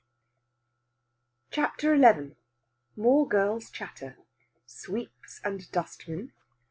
CHAPTER XI MORE GIRLS' CHATTER. SWEEPS AND DUSTMEN.